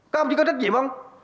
các ông chỉ có trách nhiệm không